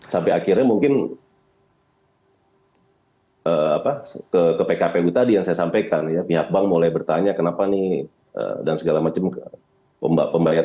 sampai akhirnya mungkin ke pkpu tadi yang saya sampaikan ya pihak bank mulai bertanya kenapa nih dan segala macam pembayaran